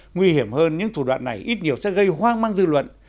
nguy hiểm hơn những thủ đoạn này ít nhiều sẽ gây hoang mang dư luận